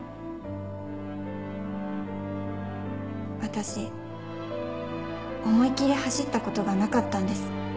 私思い切り走ったことがなかったんです。